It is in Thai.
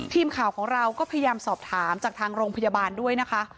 ทีมข่าวของเราก็พยายามสอบถามจากทางโรงพยาบาลด้วยนะคะ